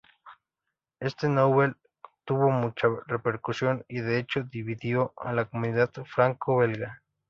Esta "nouvelle" tuvo mucha repercusión, y de hecho dividió a la comunidad franco-belga.